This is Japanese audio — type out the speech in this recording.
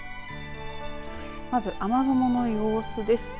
まず雨雲の様子です。